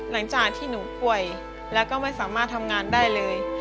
หลังจากที่หนูป่วยแล้วก็ไม่สามารถทำงานได้เลย